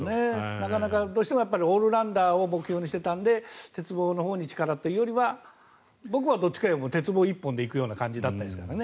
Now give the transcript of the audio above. なかなか、どうしてもオールラウンダーを目標にしていたので鉄棒のほうに力というよりは僕は鉄棒１本で行くような感じでしたからね。